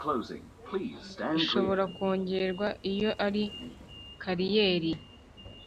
ishobora kongerwa iyo ari kariyeri